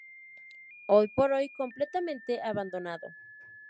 Hoy por hoy, completamente abandonado.